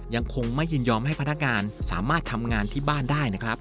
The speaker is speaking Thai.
ยังคงไม่ยินยอมให้พนักงานสามารถทำงานที่บ้านได้นะครับ